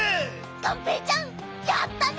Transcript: がんぺーちゃんやったね！